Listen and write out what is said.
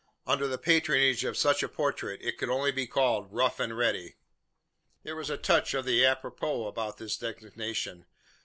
Under the patronage of such a portrait it could only be called "Rough and Ready." There was a touch of the apropos about this designation.